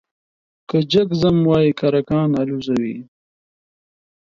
که جگ ځم وايي کرکان الوزوې ،